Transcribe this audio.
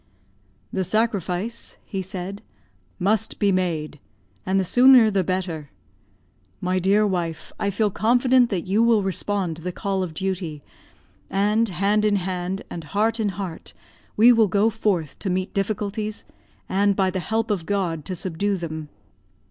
"The sacrifice," he said, "must be made, and the sooner the better. My dear wife, I feel confident that you will respond to the call of duty, and, hand in hand and heart in heart we will go forth to meet difficulties, and, by the help of God, to subdue them."